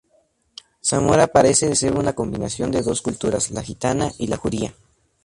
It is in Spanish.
Zamora parece ser una combinación de dos culturas; la gitana y la judía.